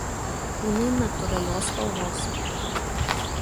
Kūnai natūralios spalvos.